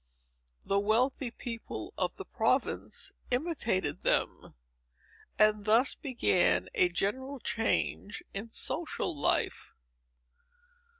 The wealthy people of the province imitated them; and thus began a general change in social life.